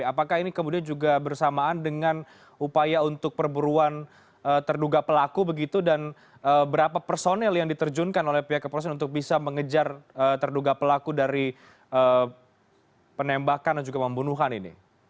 apakah ini kemudian juga bersamaan dengan upaya untuk perburuan terduga pelaku begitu dan berapa personel yang diterjunkan oleh pihak kepolisian untuk bisa mengejar terduga pelaku dari penembakan dan juga pembunuhan ini